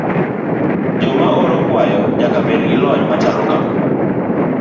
Joma oro kwayo nyaka bed gi lony machalo kama.